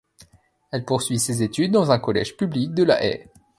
Elle poursuit ses études dans un collège public de La Haye.